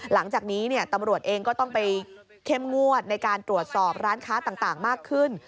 หลังจากนี้ตำรวจเองก็ต้องไปเข้มงวดในการตรวจสอบร้านค้าต่างมากขึ้น